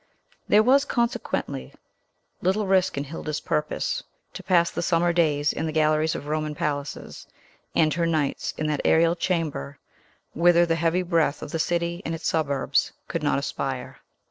There was consequently little risk in Hilda's purpose to pass the summer days in the galleries of Roman palaces, and her nights in that aerial chamber, whither the heavy breath of the city and its suburbs could not aspire.